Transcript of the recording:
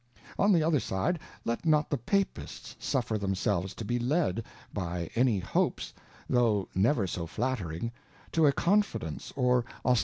On the other side, let not the Papists suffer themselves to be led by any hopes, tho never so flattering/ to a Confidence or Osten tation of a Trimmer.